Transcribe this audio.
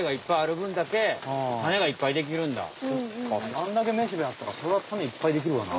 あんだけめしべあったらそれはタネいっぱいできるわな。